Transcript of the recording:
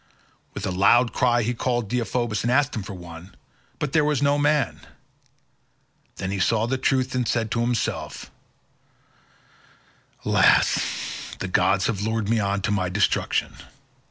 With a loud cry he called Deiphobus and asked him for one, but there was no man; then he saw the truth and said to himself, "Alas! the gods have lured me on to my destruction.